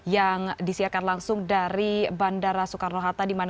yang disiarkan langsung dari bandara soekarno hatta